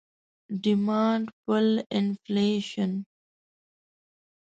Demand pull Inflation